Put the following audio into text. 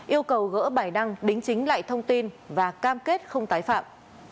yêu cầu gỡ bài đăng đính chính lại thông tin và cam kết không tái phạm